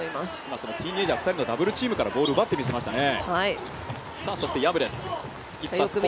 そのティーンエージャー２人のダブルチームからボール奪いましたね。